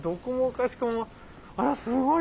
あらすごい！